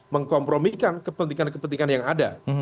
mengkompromikan kepentingan kepentingan yang ada